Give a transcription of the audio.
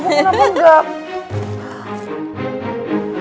ibu kenapa enggak